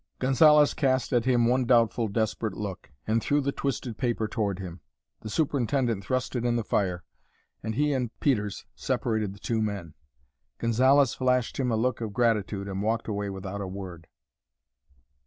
Gonzalez cast at him one doubtful, desperate look, and threw the twisted paper toward him. The superintendent thrust it in the fire, and he and Peters separated the two men. Gonzalez flashed at him a look of gratitude and walked away without a word.